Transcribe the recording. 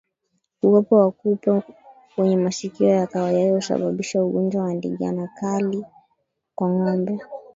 Uwepo wa kupe wenye masikio ya kahawia husababisha ugonjwa wa ndigana kali kwa ngombe